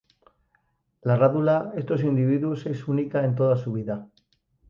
La rádula estos individuos es única en toda su vida.